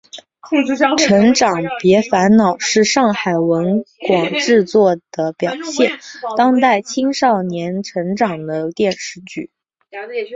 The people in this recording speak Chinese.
成长别烦恼是上海文广制作的表现当代青少年成长的电视剧。